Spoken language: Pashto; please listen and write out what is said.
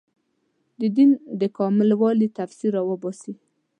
د دین له کامل والي تفسیر راوباسي